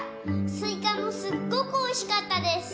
スイカもすっごくおいしかったです。